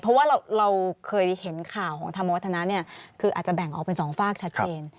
เพราะว่าเราเคยเห็นข่าวของธรรมวัฒนาเนี่ยคืออาจจะแบ่งออกเป็นสองฝากชัดเจน